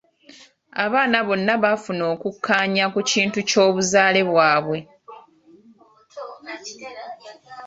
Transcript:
Abaana bonna bafuna okukkaanya ku kintu ky'obuzaale bwabwe.